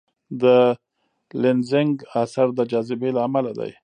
د لینزینګ اثر د جاذبې له امله دی.